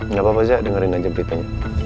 nggak apa apa saya dengerin aja beritanya